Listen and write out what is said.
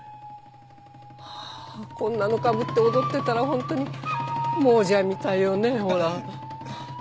こんなのかぶって踊ってたらホントに亡者みたいよねほら。